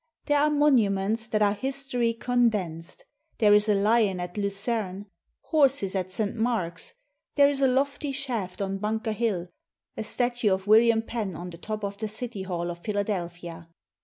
There are mon uments that are history condensed. There is a lion at Lucerne, horses at St. Mark's; there is a lofty shaft on Bunker Hill, a statue of William Penn on the top of the city hall of Philadelphia.